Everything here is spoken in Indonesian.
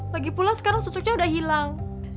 lagipula sekarang susunya udah hilang